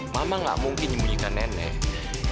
mama gak mungkin nyembunyikan nenek